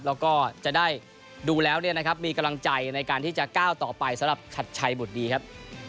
แล้วก็จะได้ดูแล้วเนี่ยนะครับมีกำลังใจในการที่จะก้าวต่อไปสำหรับชัดชัยบุตรดีครับ